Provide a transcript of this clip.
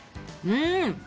うん！